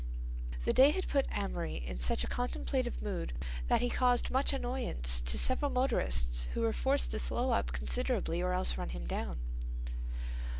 The day had put Amory in such a contemplative mood that he caused much annoyance to several motorists who were forced to slow up considerably or else run him down.